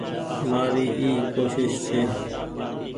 مآري اي ڪوشش ڇي ۔